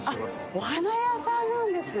お花屋さんなんですね。